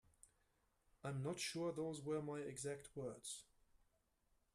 I'm not sure those were my exact words.